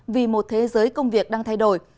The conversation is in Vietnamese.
vì một thế giới công việc đang thay đổi